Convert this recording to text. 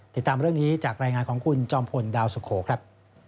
ติดตามเรื่องนี้จากรายงานของคุณจอมพลดาวสุโขครับ